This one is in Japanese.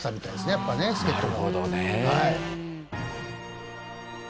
やっぱね助っ人も。